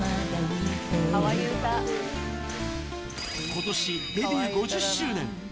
ことしデビュー５０周年。